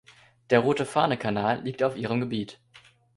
Der Rote-Fahne-Kanal liegt auf ihrem Gebiet.